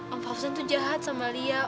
om fauzan tuh jahat sama liat